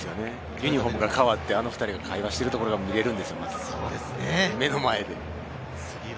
ユニホームが変わって、あの２人が会話しているところが見られるんです、目の前で。